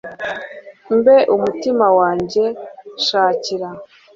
mbe mutima wanjye, shakira